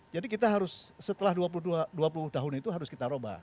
jadi kita harus setelah dua puluh tahun itu harus kita roba